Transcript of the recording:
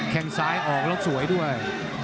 แค่งซ้ายออกแล้วสวยด้วย